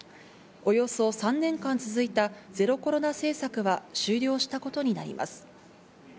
およそ３年間続いたゼロコロナ政策は終了したことになります。